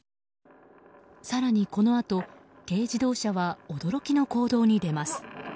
更に、このあと軽自動車は驚きの行動に出ます。